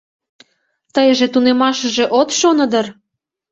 Тыйже тунемашыже от шоно дыр.